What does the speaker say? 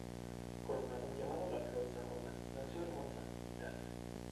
Conrado, llamado la flor sajona, nació en Monza, Italia.